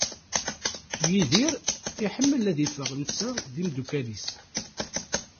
Yidir iḥemmel ad iffeɣ netta d yimeddukal-is.